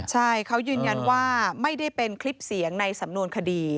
ใช่เขายืนยันว่าไม่ได้เป็นคลิปเสียงในสำนวนคดี